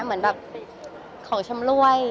เหมือนแบบของชำรวย